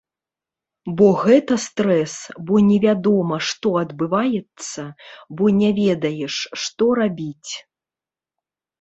Бо гэта стрэс, бо невядома, што адбываецца, бо не ведаеш, што рабіць.